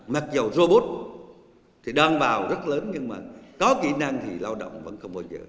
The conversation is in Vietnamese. mặc dù robot thì đoàn bào rất lớn nhưng mà có kỹ năng thì lao động vẫn không bao giờ thừa cả